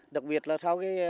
đặc biệt là sau cái